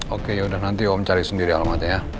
oke yaudah nanti om cari sendiri alamatnya ya